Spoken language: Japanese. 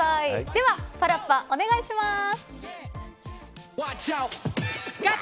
ではパラッパ、お願いします。